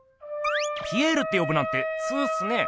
ピエールってよぶなんてツウっすね。